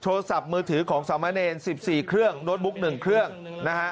โทรศัพท์มือถือของสามะเนร๑๔เครื่องโน้ตบุ๊ก๑เครื่องนะฮะ